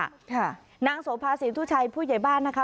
ค่ะนางโสภาศรีทุชัยผู้ใหญ่บ้านนะคะ